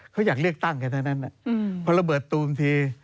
เขาอยากเลือกตั้งแค่นั้นพอระเบิดตูมที